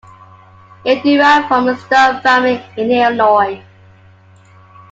It derived from a Stone family in Illinois.